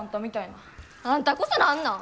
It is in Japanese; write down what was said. あんたこそ何なん！？